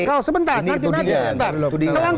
nah kalau sebentar ini tudingan